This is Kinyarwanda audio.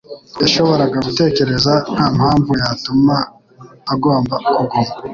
yashoboraga gutekereza ntampamvu yatuma agomba kuguma.